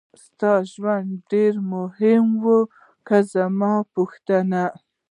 ستا ژوند ډېر مهم و که زما دا پوښتنه وه.